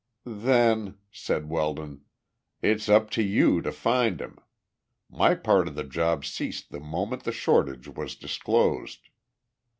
"Then," said Weldon, "it is up to you to find him. My part of the job ceased the moment the shortage was disclosed."